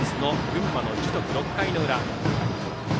群馬の樹徳、６回の裏。